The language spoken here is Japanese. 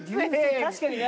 確かにな。